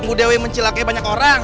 bu dewi mencilaknya banyak orang